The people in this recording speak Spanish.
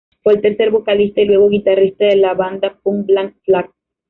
Fue el tercer vocalista y luego guitarrista de la banda punk Black Flag.